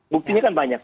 buktinya kan banyak